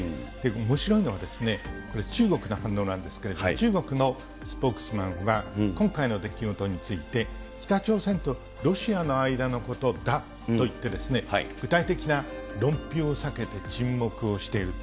おもしろいのは、中国の反応なんですけれども、中国のスポークスマンは、今回の出来事について、北朝鮮とロシアの間のことだと言って、具体的な論評を避けて沈黙をしていると。